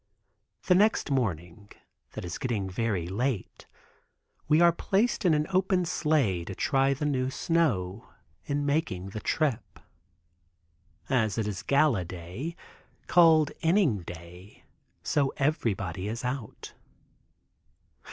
The next morning, that is getting very late, we are placed in an open sleigh, to try the new snow, in making the trip. As it is a gala day, called Inning Day, so everybody is out.